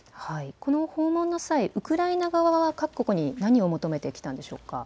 この訪問の際、ウクライナ側は各国に何を求めてきたんでしょうか。